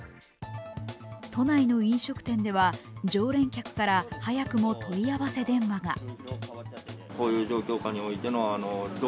都内の飲食店では常連客から早くも問い合わせ電話が。